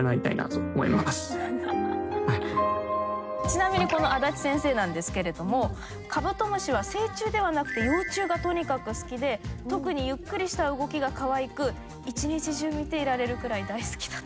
ちなみにこの足立先生なんですけれどもカブトムシは成虫ではなくて幼虫がとにかく好きで特にゆっくりした動きがかわいく一日中見ていられるくらい大好きだと。